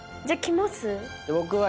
じゃあ来ます？